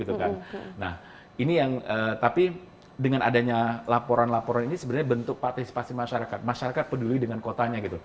tapi dengan adanya laporan laporan ini sebenarnya bentuk partisipasi masyarakat masyarakat peduli dengan kotanya